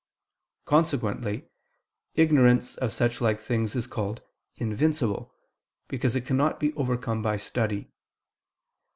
Consequently ignorance of such like things is called "invincible," because it cannot be overcome by study.